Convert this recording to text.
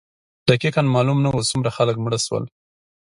دقیقا معلوم نه وو څومره خلک مړه شول.